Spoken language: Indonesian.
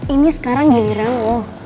ini sekarang giliran lo